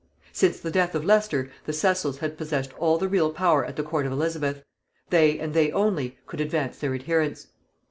Since the death of Leicester, the Cecils had possessed all the real power at the court of Elizabeth: they and they only could advance their adherents.